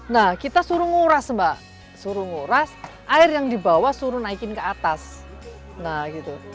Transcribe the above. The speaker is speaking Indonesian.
nah kita suruh nguras mbak suruh nguras air yang dibawa suruh naikin ke atas nah gitu